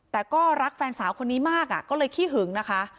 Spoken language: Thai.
แต่ก็รักแฟนสาวคนนี้มากก็เลยขี้หึงนะคะ